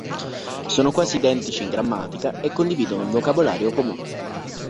Sono quasi identici in grammatica e condividono un vocabolario comune.